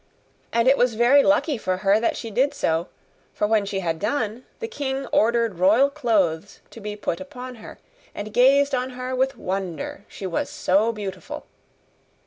And it was very lucky for her that she did so, for when she had done the king ordered royal clothes to be put upon her, and gazed on her with wonder, she was so beautiful.